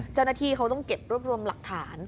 เจ้าหน้าที่เขาต้องเก็บรวบรวมหลักฐาน